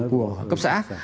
như là một cảnh sát